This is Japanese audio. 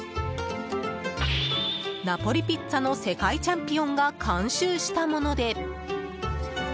ナポリピッツァの世界チャンピオンが監修したもので。